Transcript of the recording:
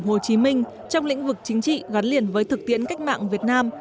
tư tưởng hồ chí minh trong lĩnh vực chính trị gắn liền với thực tiễn cách mạng việt nam